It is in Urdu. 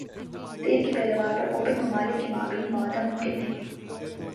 تیل کی پیداوار پر اوپیک ممالک کے مابین معاہدہ ممکن نہیں